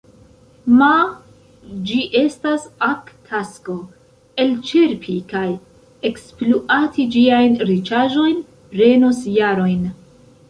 Ma ĝi estas ak tasko: elĉerpi kaj ekspluati ĝiajn riĉaĵojn prenos jarojn.